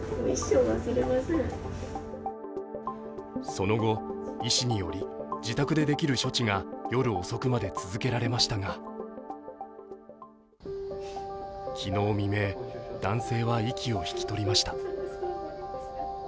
その後、医師により、自宅でできる処置が夜遅くまで続けられましたが昨日未明、男性は息を引き取りました。